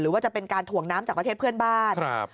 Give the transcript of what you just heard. ว่าจะเป็นการถ่วงน้ำจากประเทศเพื่อนบ้าน